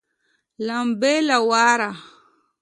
لمبې له واره